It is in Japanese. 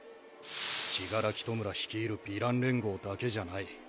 死柄木弔率いるヴィラン連合だけじゃない。